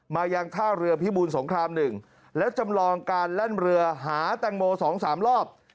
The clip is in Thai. มายังท่าเรือพิบูรสงคราม๑และจำลองการแล่นเรือหาแตงโม๒๓รอบ